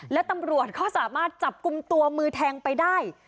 และตำรวจเขาสามารถจับกลุ่มตัวมือแทงไปได้